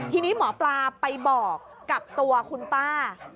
ทีนี้หมอปลาไปบอกกับตัวคุณป้า